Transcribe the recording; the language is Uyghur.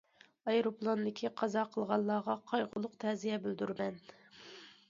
ئايروپىلاندىكى قازا قىلغانلارغا قايغۇلۇق تەزىيە بىلدۈرىمەن.